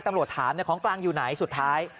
ตำรวจถามของกลางอยู่ไหนสุดท้าย